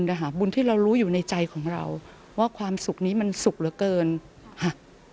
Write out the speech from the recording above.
ก็เลยเริ่มไผลศาสทางของท่านมา